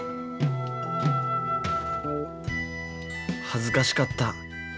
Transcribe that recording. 恥ずかしかった。